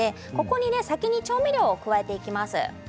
先に調味料を加えていきます。